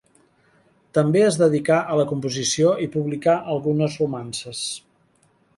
També es dedicà a la composició i publicà algunes romances.